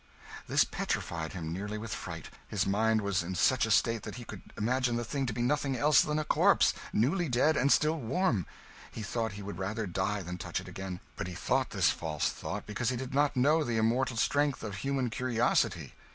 This petrified him, nearly, with fright; his mind was in such a state that he could imagine the thing to be nothing else than a corpse, newly dead and still warm. He thought he would rather die than touch it again. But he thought this false thought because he did not know the immortal strength of human curiosity.